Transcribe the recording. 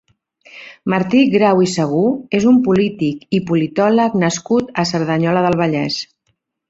Martí Grau i Segú és un polític i politòleg nascut a Cerdanyola del Vallès.